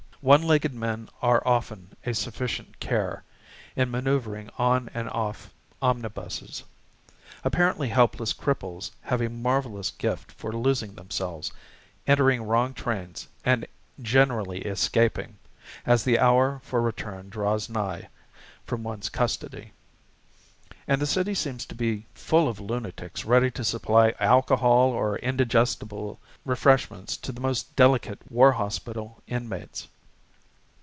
One legged men are often a sufficient care, in manoeuvring on and off omnibuses. Apparently helpless cripples have a marvellous gift for losing themselves, entering wrong trains, and generally escaping as the hour for return draws nigh from one's custody. And the city seems to be full of lunatics ready to supply alcohol or indigestible refreshments to the most delicate war hospital inmates.